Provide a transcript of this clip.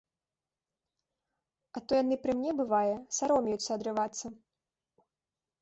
А то яны пры мне, бывае, саромеюцца адрывацца.